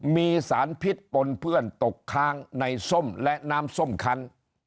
มีสารพิษปนเพื่อนตกค้างในส้มและน้ำส้มคัน